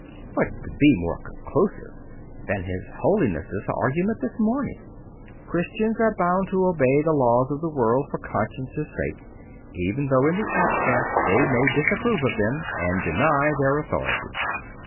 What could be more conclusive than his Holiness's argument this morning? "Christians are bound to obey the laws of this world for conscience' sake, even though, in the abstract, they may disapprove of them, and deny their authority.